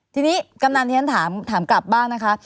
ทีนี้กำนันที่ฉันถามกลับบ้างนะคะ